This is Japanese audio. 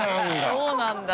そうなんだ。